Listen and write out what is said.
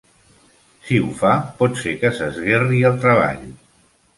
Si ho fa, pot ser que s'esguerri el treball.